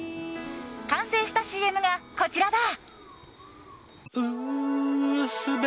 完成したＣＭがこちらだ。